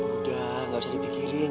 udah gak usah dipikirin